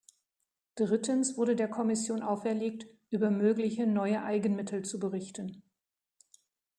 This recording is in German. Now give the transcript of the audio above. Drittens wurde der Kommission auferlegt, über mögliche neue Eigenmittel zu berichten.